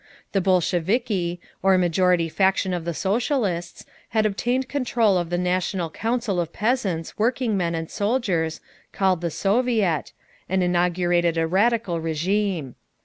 The Bolsheviki, or majority faction of the socialists, had obtained control of the national council of peasants, workingmen, and soldiers, called the soviet, and inaugurated a radical régime.